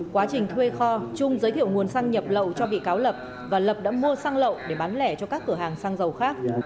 quá trình thuê kho trung giới thiệu nguồn xăng nhập lậu cho bị cáo lập và lập đã mua xăng lậu để bán lẻ cho các cửa hàng xăng dầu khác